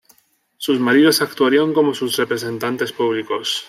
Sus maridos actuarían como sus representantes públicos.